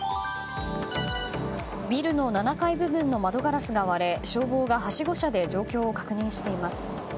ビルの７階部分の窓ガラスが割れ消防が、はしご車で状況を確認しています。